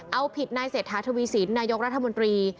เอาผิดนายเศรษฐาทวีสินนายกรัฐมนตรี